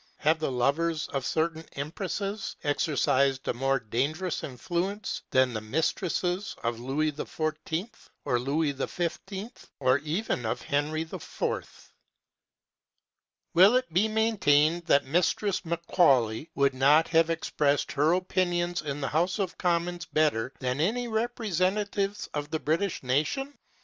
Have the lovers of certain empresses exercised a more dangerous influence than the mistresses of Louis XIV., of Louis XV., or even of Henry IV.? Will it be maintained that Mistress Macaulay would not have expressed her opinions in the House of Commons better than many representatives of the British nation?